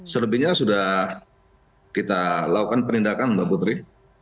selebihnya sudah kita lakukan penindakan mbak putri